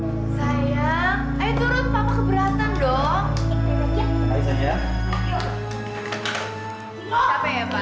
hai sayang ayo turun papa keberatan dong aja